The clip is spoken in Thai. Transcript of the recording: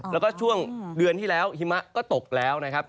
แล้วก็ช่วงเดือนที่แล้วหิมะก็ตกแล้วนะครับ